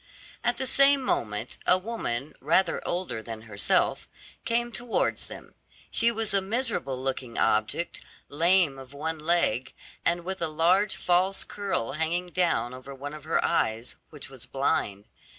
At the same moment, a woman, rather older than herself, came towards them. She was a miserable looking object, lame of one leg, and with a large false curl hanging down over one of her eyes, which was blind.